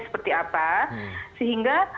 seperti apa sehingga